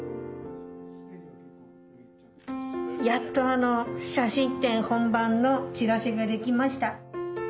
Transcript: やっと写真展本番のチラシができました。